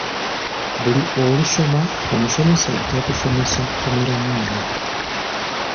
Buli olusoma omusomesa ajja kusomesa ku miramwa ena.